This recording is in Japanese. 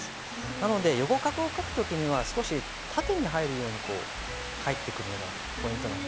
なので横画を書く時には少し縦に入るようにこう入ってくるのがポイントなんですね。